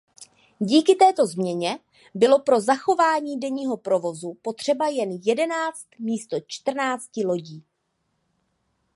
Díky této změně bylo pro zachování denního provozu potřeba jen jedenáct místo čtrnácti lodí.